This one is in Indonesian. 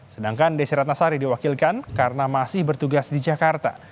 sedangkan desi ratnasari diwakilkan karena masih bertugas di jakarta